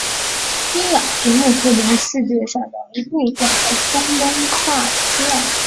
伊朗是穆斯林世界的一部分和中东第二大犹太人社群的所在地。